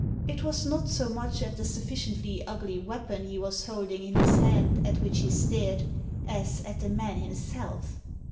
It was not so much at the sufficiently ugly weapon he was holding in his hand at which he stared, as at the man himself.